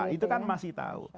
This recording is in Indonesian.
itu kan masih tahu